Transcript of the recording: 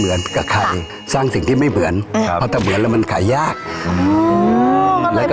มีโรงแรมอัตลักษณ์